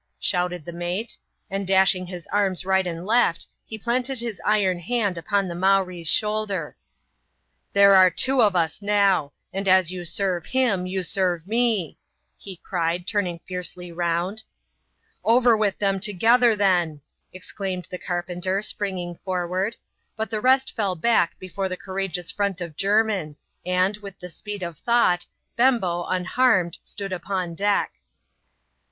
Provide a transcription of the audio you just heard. shouted the mate ; and dashing his arms right and left, he planted his iron hand upon the Mowree's shoulder. " There are two of us now ; and as you serve him, you serve me," he cried, turning fiercely round. " Over with them together, then," exclaimed the carpenter, springing forward ; but the rest fell back before the courageous front of Jermin, and, with the speed of thought, Bembo, un harmed, stood upon deck.